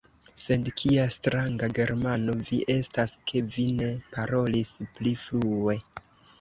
Sed kia stranga Germano vi estas, ke vi ne parolis pli frue!